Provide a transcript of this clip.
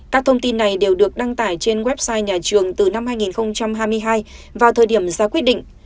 các thông tin này đều được đăng tải trên website nhà trường từ năm hai nghìn hai mươi hai vào thời điểm ra quyết định